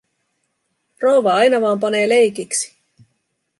Rouva aina vaan panee leikiksi.